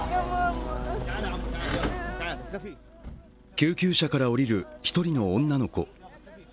救急車から降りる一人の女の子。